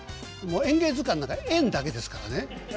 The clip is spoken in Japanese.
「演芸図鑑」なんか「演」だけですからね。